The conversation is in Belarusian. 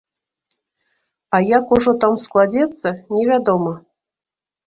А як ужо там складзецца, невядома.